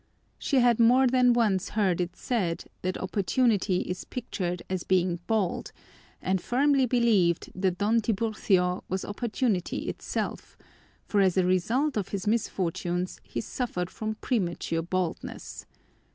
She had more than once heard it said that opportunity is pictured as being bald, and firmly believed that Don Tiburcio was opportunity itself, for as a result of his misfortunes he suffered from premature baldness.